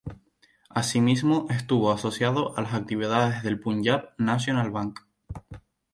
Asimismo estuvo asociado a las actividades del Punjab National Bank.